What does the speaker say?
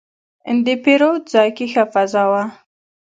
د پیرود ځای کې ښه فضا وه.